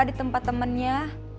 di tempat temennya